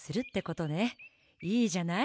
いいじゃない。